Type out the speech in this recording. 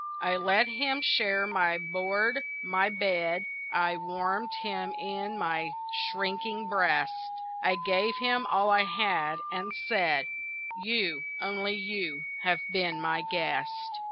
I let him share my board, my bed, I warmed him in my shrinking breast, I gave him all I had, and said: "You, only you, have been my guest.